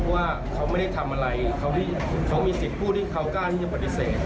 ว่าเขาไม่ได้ทำอะไรเขามีสิทธิ์พูดที่เขากล้าที่จะปฏิเสธ